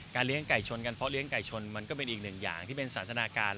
เลี้ยงไก่ชนกันเพราะเลี้ยไก่ชนมันก็เป็นอีกหนึ่งอย่างที่เป็นสันทนาการ